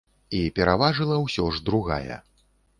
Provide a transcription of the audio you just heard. І пераважыла ўсё ж другая.